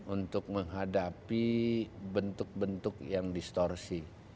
untuk menghadapi bentuk bentuk yang distorsi